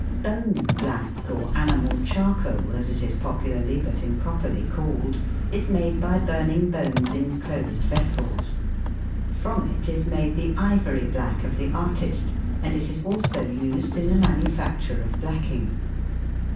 POTS AND PANS. 289 Bone black, or " animal charcoal " as it is popularly but improperly called is made by burning bones in closed vessels. From it is made the " ivory black " of the artist, and it is also used in the manufacture of blacking.